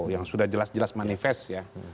yang sudah jelas jelas manifest ya